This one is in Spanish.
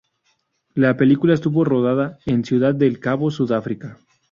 La película estuvo rodada en Ciudad del Cabo, Sudáfrica.